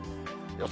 予想